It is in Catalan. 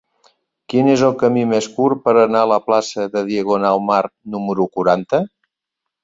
Quin és el camí més curt per anar a la plaça de Diagonal Mar número quaranta?